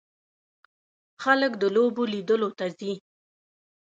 خلک د لوبو لیدلو ته ځي.